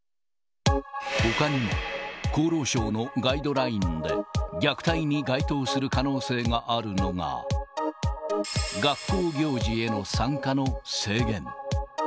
ほかにも厚労省のガイドラインで虐待に該当する可能性があるのが、学校行事への参加の制限。